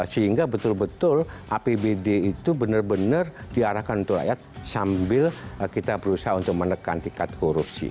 sehingga betul betul apbd itu benar benar diarahkan untuk rakyat sambil kita berusaha untuk menekan tingkat korupsi